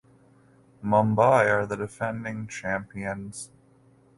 Mumbai are the defending champions.